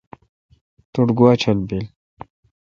تو ٹھ گوا چل بیل